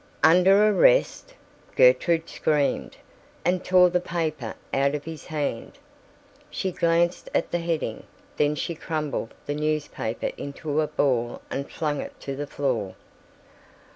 "Under arrest!" Gertrude screamed, and tore the paper out of his hand. She glanced at the heading, then she crumpled the newspaper into a ball and flung it to the floor.